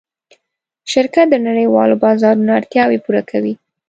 شرکت د نړۍوالو بازارونو اړتیاوې پوره کوي.